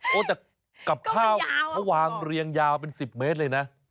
เกิดกลับท่าวเขาวางเลี้ยงยาวเป็นสิบเมตรเลยนะ